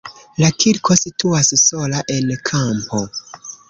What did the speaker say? La kirko situas sola en kampo.